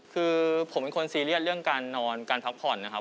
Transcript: คือผมเป็นคนซีเรียสเรื่องการนอนการพักผ่อนนะครับ